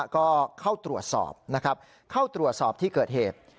ก็เข้าตรวจสอบนะครับเข้าตรวจสอบที่เกิดเหตุ